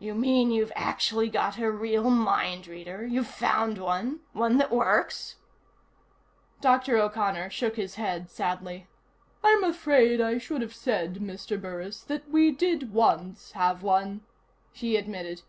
"You mean you've actually got a real mind reader? You've found one? One that works?" Dr. O'Connor shook his head sadly. "I'm afraid I should have said, Mr. Burris, that we did once have one," he admitted.